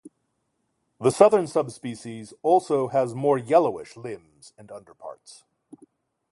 The southern subspecies also has more yellowish limbs and underparts.